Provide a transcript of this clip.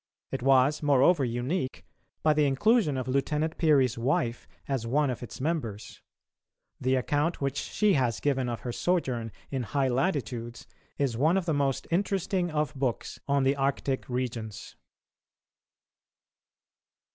It was, moreover, unique, by the inclusion of Lieutenant Peary's wife as one of its members; the account which she has given of her sojourn in high latitudes is one of the most interesting of books on the Arctic regions.